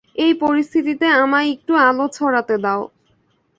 এই পরিস্থিতিতে আমায় একটু আলো ছড়াতে দাও।